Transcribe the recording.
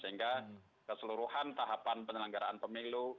jadi itu adalah keseluruhan tahapan penyelenggaraan pemilu